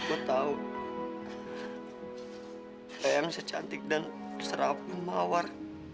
eh yang secantik dan serapu bunga mawar